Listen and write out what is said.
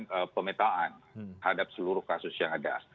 dilakukan pemetaan hadap seluruh kasus yang ada